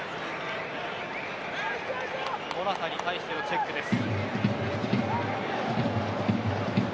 モラタに対してのチェックでした。